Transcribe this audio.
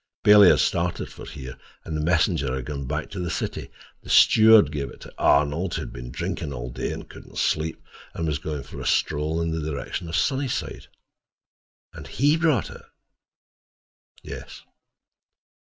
Bailey had started for here, and the messenger had gone back to the city. The steward gave it to Arnold, who had been drinking all day and couldn't sleep, and was going for a stroll in the direction of Sunnyside." "And he brought it?" "Yes."